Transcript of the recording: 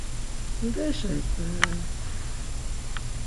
Munderaşa ibgarare?